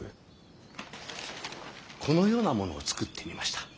このようなものを作ってみました。